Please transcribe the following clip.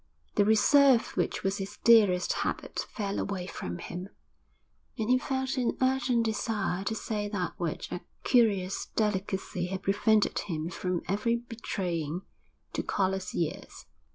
The reserve which was his dearest habit fell away from him, and he felt an urgent desire to say that which a curious delicacy had prevented him from every betraying to callous ears.